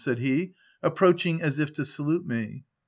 said he, ap proaching as if to salute me.